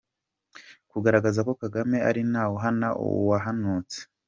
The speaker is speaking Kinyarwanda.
Kugaragaza ko Kagame ari: ntawuhana uwahanutse.